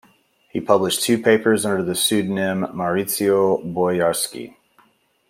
He published two papers under the pseudonym Maurizio Boyarsky.